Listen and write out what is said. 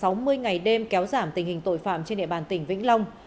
sáu mươi ngày đêm kéo giảm tình hình tội phạm trên địa bàn tỉnh vĩnh long